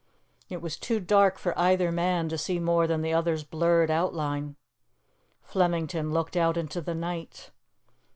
It was too dark for either man to see more than the other's blurred outline. Flemington looked out into the night.